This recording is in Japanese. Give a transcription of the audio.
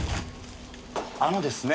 あのですね。